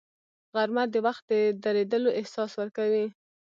غرمه د وخت د درېدلو احساس ورکوي